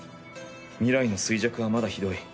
ミライの衰弱はまだひどい。